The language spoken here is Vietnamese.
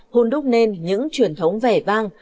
hôn đúc nên những truyền thống vẻ vang